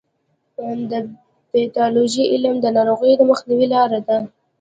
د پیتالوژي علم د ناروغیو د مخنیوي لاره ده.